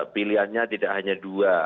pilihannya tidak hanya dua